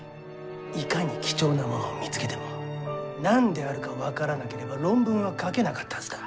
いかに貴重なものを見つけても何であるか分からなければ論文は書けなかったはずだ。